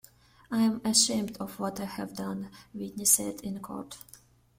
"I'm ashamed of what I have done", Wheatley said in court.